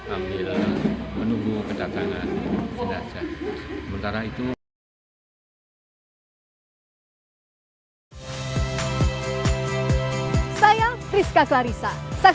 ambil menunggu kedatangan jenazah